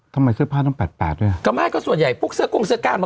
ทำไมเสื้อผ้าต้อง๘๘ด้วยเดิมงานก็ส่วนใหญ่พวกเสื้อก้มเสื้อก้า